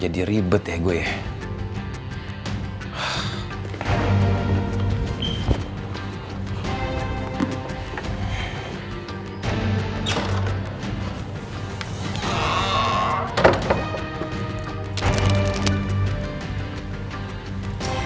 jadi ribet ya gue ya